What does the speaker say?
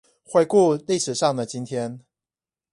回顧歷史上的今天